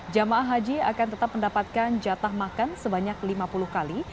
jemaah haji akan tetap mendapatkan jatah makan sebanyak lima puluh kali